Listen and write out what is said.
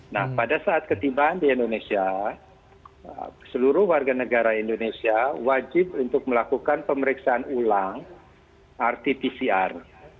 nah pada saat ketibaan di indonesia seluruh warga negara indonesia wajib untuk melakukan pemeriksaan ulang rt pcr